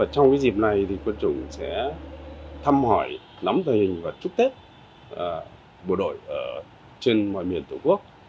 trong dịp này quân chủng sẽ thăm hỏi nắm tình hình và chúc tết bộ đội trên mọi miền tổ quốc